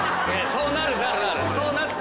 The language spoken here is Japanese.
そうなるなるなる。